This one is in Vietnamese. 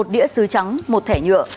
một đĩa xứ trắng một thẻ nhựa